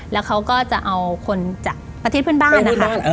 แล้วเขาก็จะเอาคนจากประเทศเพื่อนบ้านนะคะ